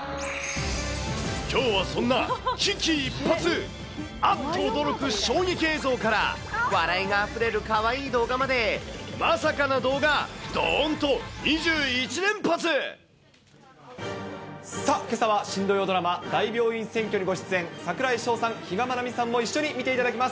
きょうはそんな危機一髪、あっと驚く衝撃映像から、笑いがあふれるかわいい動画まで、さあ、けさは新土曜ドラマ、大病院占拠にご出演、櫻井翔さん、比嘉愛未さんも一緒に見ていただきます。